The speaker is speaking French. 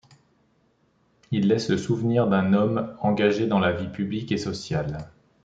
Il laisse le souvenir d'un homme engagé dans la vie publique et sociale.